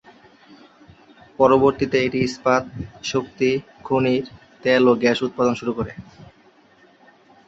পরবর্তীতে এটি ইস্পাত, শক্তি, খনির, তেল ও গ্যাস উৎপাদন শুরু করে।